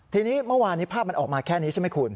ทีนี้เมื่อวานนี้ภาพมันออกมาแค่นี้ใช่ไหมคุณ